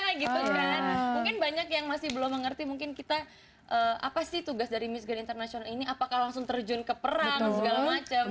mungkin banyak yang masih belum mengerti mungkin kita apa sih tugas dari miss grand international ini apakah langsung terjun ke perang segala macam